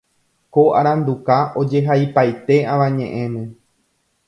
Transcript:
Ko aranduka ojehaipaite avañeʼẽme.